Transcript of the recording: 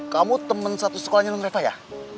kamu temen satu sekolahnya nurefa ya